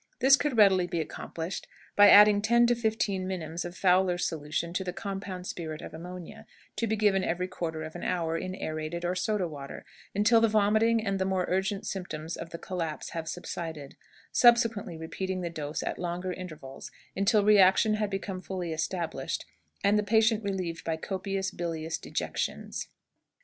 This could readily be accomplished by adding ten to fifteen minims of Fowler's solution to the compound spirit of ammonia, to be given every quarter of an hour in aerated or soda water, until the vomiting and the more urgent symptoms of collapse have subsided, subsequently repeating the dose at longer intervals until reaction had become fully established, and the patient relieved by copious bilious dejections."